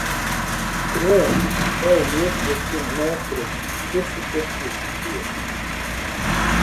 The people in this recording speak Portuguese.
"Tram" é o mesmo que metro de superfície.